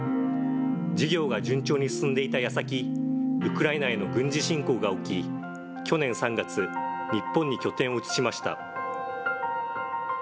事業が順調に進んでいたやさき、ウクライナへの軍事侵攻が起き、去年３月、日本に拠点を移しました。